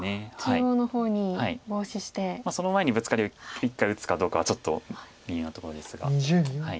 その前にブツカリを一回打つかどうかはちょっと微妙なとこですが。